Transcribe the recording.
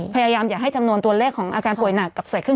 เพื่อไม่ให้เชื้อมันกระจายหรือว่าขยายตัวเพิ่มมากขึ้น